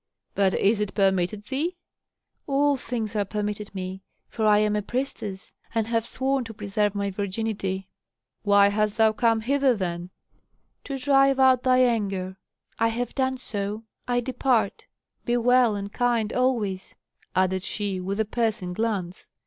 "But is it permitted thee?" "All things are permitted me, for I am a priestess, and have sworn to preserve my virginity." "Why hast thou come hither, then?" "To drive out thy anger. I have done so, I depart. Be well and kind always," added she, with a piercing glance.